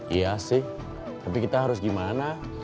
iya sih tapi kita harus gimana